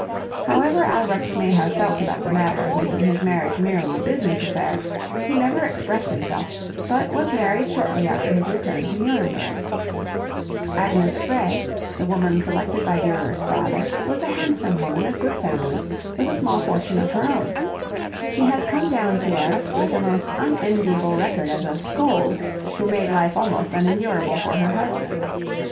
However Albrecht may have felt about the matter of making his marriage merely a business affair, he never expressed himself, but was married shortly after his return to Nuremberg. [Illustration: ST. JOHN AND ST. PETER Durer] [Illustration: ST. MARK AND ST. PAUL Durer] Agnes Frey, the woman selected by Durer's father, was a handsome woman of good family with a small fortune of her own. She has come down to us with a most unenviable record as a scold who made life almost unendurable for her husband.